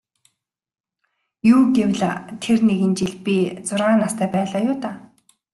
Юу гэвэл тэр нэгэн жил би зургаан настай байлаа юу даа.